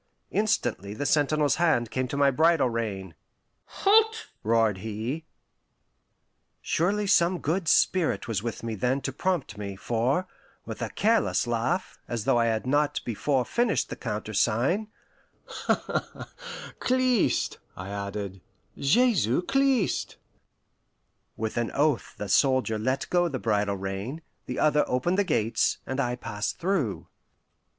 Instantly the sentinel's hand came to my bridle rein. "Halt!" roared he. Surely some good spirit was with me then to prompt me, for, with a careless laugh, as though I had not before finished the countersign, "Christ," I added "Jesu Christ!" With an oath the soldier let go the bridle rein, the other opened the gates, and I passed through.